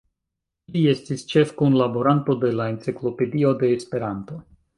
Li estis ĉefkunlaboranto de la Enciklopedio de Esperanto.